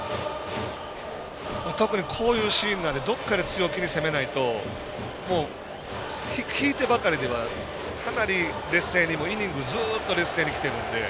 特にこういうシーンはどこかで強気に攻めないと引いてばかりではかなりイニング、ずっと劣勢にきてるんで。